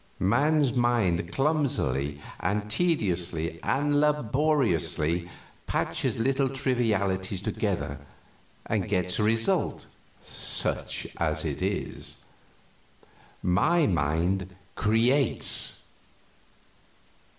"Man's mind clumsily and tediously and laboriously patches little trivialities together and gets a result such as it is. My mind creates!